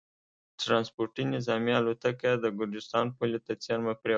ټرانسپورټي نظامي الوتکه یې د ګرجستان پولې ته څېرمه پرېوتې